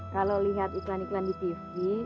kalau lihat iklan iklan di tv